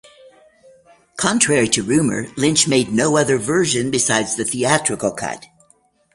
Contrary to rumor, Lynch made no other version besides the theatrical cut.